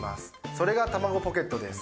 それが「たまごポケット」です。